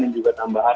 dan juga tambahan